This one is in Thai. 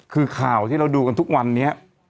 คือข่าวที่เราดูกันทุกวันนี้